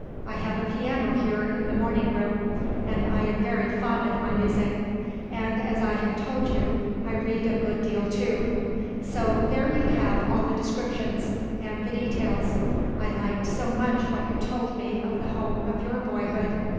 I have a piano here in the morning room, and I am very fond of my music. And, as I have told you, I read a good deal, too. So there you have all the descriptions and the details. I liked so much what you told me of the home of your boyhood.